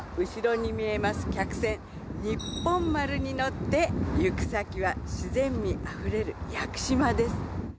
にっぽん丸に乗って行く先は自然美あふれる屋久島です